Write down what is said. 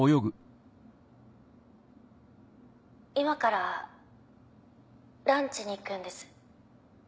今からランチに行くんです。